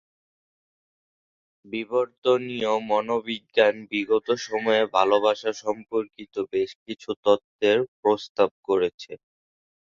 বিবর্তনীয় মনোবিজ্ঞান বিগত সময়ে ভালোবাসা সম্পর্কিত বেশ কিছু তত্ত্বের প্রস্তাব করেছে।